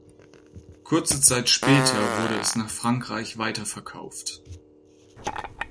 Kurze Zeit später wurde es nach Frankreich weiterverkauft.